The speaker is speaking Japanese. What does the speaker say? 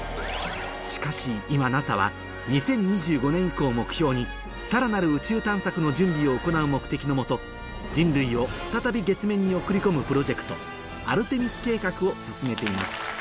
しかし今ＮＡＳＡは２０２５年以降を目標にさらなる宇宙探索の準備を行う目的のもと人類を再び月面に送り込むプロジェクト「アルテミス計画」を進めています